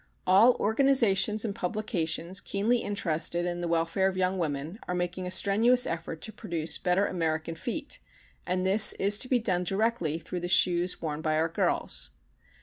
"] All organizations and publications keenly interested in the welfare of young women are making a strenuous effort to produce better American feet, and this is to be done directly through the shoes worn by our girls.